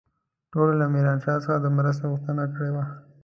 ټولو له زمانشاه څخه د مرستې غوښتنه کړې وه.